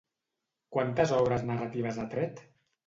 Quantes obres narratives ha tret?